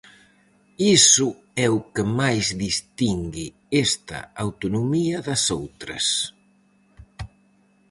Iso é o que máis distingue esta autonomía das outras.